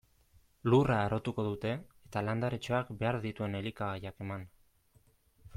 Lurra harrotuko dute, eta landaretxoak behar dituen elikagaiak eman.